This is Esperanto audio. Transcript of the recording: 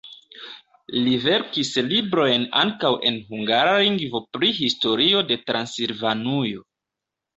Li verkis librojn ankaŭ en hungara lingvo pri historio de Transilvanujo.